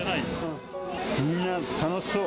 みんな楽しそう。